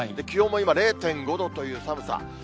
気温も今、０．５度という寒さ。